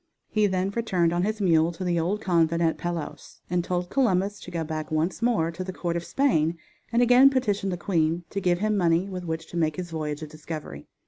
He then returned on his mule to the old convent at Palos, and told Columbus to go back once more to the court of Spain and again petition the queen to give him money with which to make his voyage of discovery.